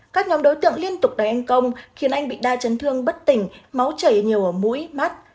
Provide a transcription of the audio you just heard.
các nhóm đối tượng liên tục đẩy anh công khiến anh bị đa chấn thương bất tỉnh máu chảy nhiều ở mũi mắt